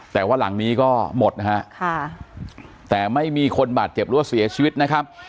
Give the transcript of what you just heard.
แต่ว่าหลังนี้ก็หมดนะฮะค่ะแต่ไม่มีคนบาดเจ็บหรือว่าเสียชีวิตนะครับ